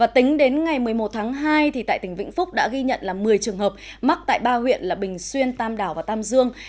tính đến ngày một mươi một tháng hai tại tỉnh vĩnh phúc đã ghi nhận một mươi trường hợp mắc tại ba huyện là bình xuyên tam đảo và tam dương